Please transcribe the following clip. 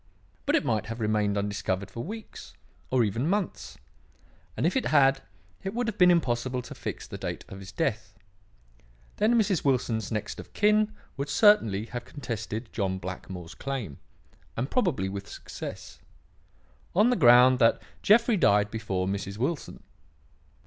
But it might have remained undiscovered for weeks, or even months; and if it had, it would have been impossible to fix the date of his death. Then Mrs. Wilson's next of kin would certainly have contested John Blackmore's claim and probably with success on the ground that Jeffrey died before Mrs. Wilson.